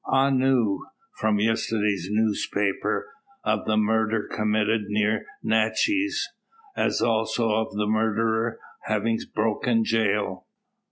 Ah knew, from yesterday's newspaper, of the murder committed near Natchez, as also of the murderer having broken jail.